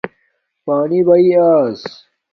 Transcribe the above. پانی بیݵ آیس